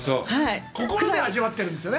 心で味わっているんですよね。